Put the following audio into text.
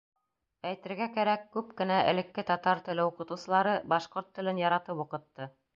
Әйтергә кәрәк, күп кенә элекке татар теле уҡытыусылары башҡорт телен яратып уҡытты.